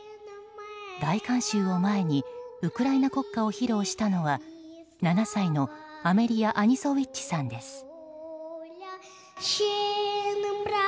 大観衆を前にウクライナ国歌を披露したのは７歳のアメリア・アニソウィッチさんです。